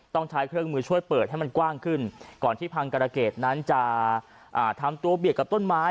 ต้องใช้เครื่องมือช่วยเปิดให้มันกว้างขึ้นก่อนที่พังกรเกษนั้นจะทำตัวเบียดกับต้นไม้